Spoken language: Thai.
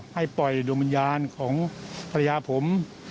ให้ปล่อยดวงวิญญาณของภรรยาผม